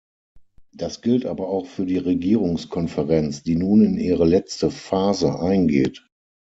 Das gilt aber auch für die Regierungskonferenz, die nun in ihre letzte Phase eingeht.